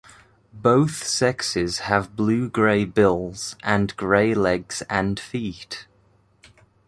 Both sexes have blue-grey bills and grey legs and feet.